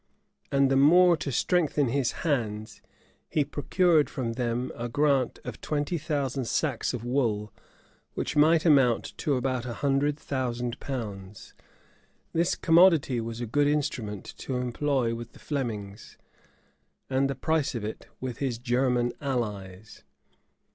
[*] And the more to strengthen his hands, he procured from them a grant of twenty thousand sacks of wool; which might amount to about a hundred thousand pounds: this commodity was a good instrument to employ with the Flemings; and the price of it with his German allies.